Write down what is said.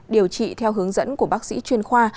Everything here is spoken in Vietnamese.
điều trị theo hướng dẫn của bác sĩ chuyên khoa